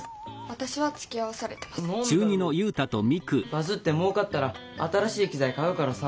バズってもうかったら新しい機材買うからさ。